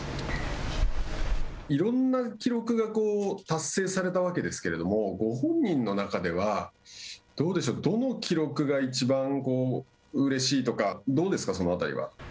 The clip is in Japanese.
いろんな記録が達成されたわけですけれども本人の中ではどの記録がいちばんうれしいとかどうですか、そのあたりは。